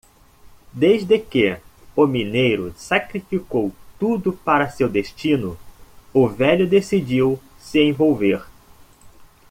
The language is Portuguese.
Desde que o mineiro sacrificou tudo para seu destino, o velho decidiu se envolver.